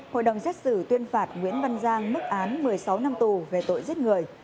hội đồng xét xử tuyên phạt nguyễn văn giang mức án một mươi sáu năm tù về tội giết người